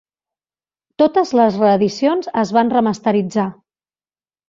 Totes les reedicions es van remasteritzar.